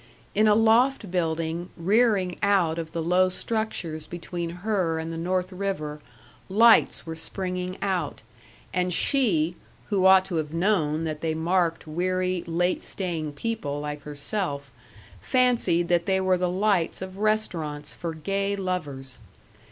In a loft building rearing out of the low structures between her and the North River, lights were springing out, and she who ought to have known that they marked weary, late staying people like herself, fancied that they were the lights of restaurants for gay lovers.